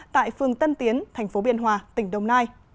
tại phường tân tiến thành phố biên hòa tỉnh đồng nai